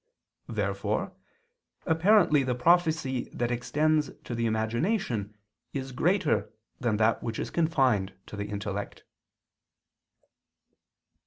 Therefore apparently the prophecy that extends to the imagination is greater than that which is confined to the intellect.